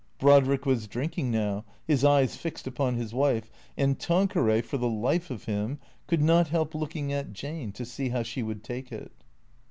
Brodrick was drinking now, his eyes fixed upon his wife. And Tanqueray, for the life of him, could not help looking at Jane, to see how she would take it.